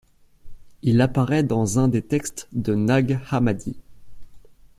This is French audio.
Il apparaît dans un des textes de Nag Hammadi.